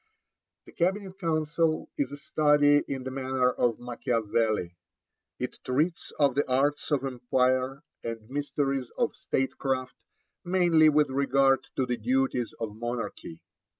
The Cabinet Council is a study in the manner of Macchiavelli. It treats of the arts of empire and mysteries of State craft, mainly with regard to the duties of monarchy.